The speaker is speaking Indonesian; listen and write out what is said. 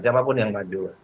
siapapun yang maju